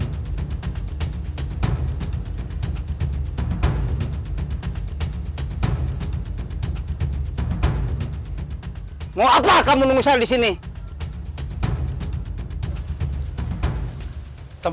saya nggak ada arusan sama kamu